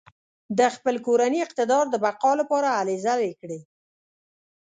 د خپل کورني اقتدار د بقا لپاره هلې ځلې کړې.